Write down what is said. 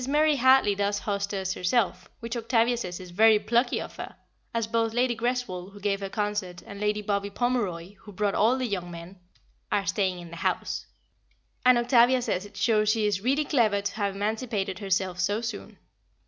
Murray Hartley does hostess herself, which Octavia says is very plucky of her, as both Lady Greswold, who gave her concert, and Lady Bobby Pomeroy, who brought all the young men, are staying in the house; and Octavia says it shows she is really clever to have emancipated herself so soon.